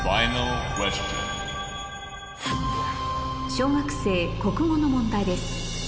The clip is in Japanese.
小学生国語の問題です